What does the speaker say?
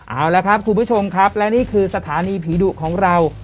เอาละครับคุณผู้ชมครับและนี่คือสถานีผีดุของเรา